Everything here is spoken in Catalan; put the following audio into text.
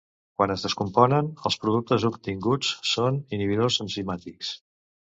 Quan es descomponen, els productes obtinguts són inhibidors enzimàtics.